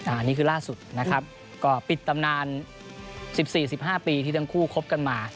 อันนี้คือล่าสุดนะครับก็ปิดตำนาน๑๔๑๕ปีที่ทั้งคู่คบกันมา